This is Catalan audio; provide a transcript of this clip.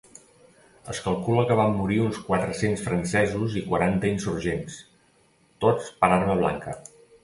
Es calcula que van morir uns quatre-cents francesos i quaranta insurgents, tots per arma blanca.